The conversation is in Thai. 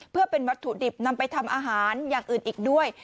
เพื่อเป็นวัตถุดิบนำไปทำอาหารอย่างอื่นอีกด้วย